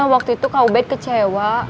waktu itu kak ubed kecewa